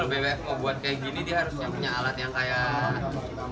kalau bpf kok buat kayak gini dia harus punya alat yang kayak